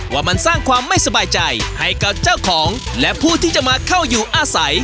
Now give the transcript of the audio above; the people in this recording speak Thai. ว่ามันสร้างความไม่สบายใจให้กับเจ้าของและผู้ที่จะมาเข้าอยู่อาศัย